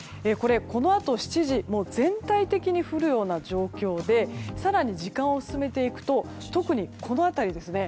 このあと７時全体的に降るような状況で更に時間を進めていくと特に、この辺りですね。